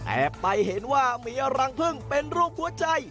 ไปเห็นว่ามีรังพึ่งเป็นรูปหัวใจ